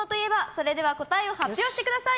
それでは答えを発表してください。